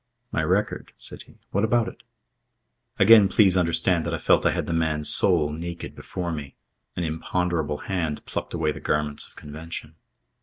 "My record," said he. "What about it?" Again please understand that I felt I had the man's soul naked before me. An imponderable hand plucked away my garments of convention.